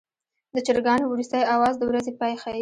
د چرګانو وروستی اواز د ورځې پای ښيي.